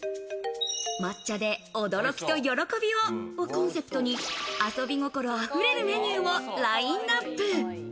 抹茶で驚きと喜びををコンセプトに、遊び心溢れるメニューをラインナップ。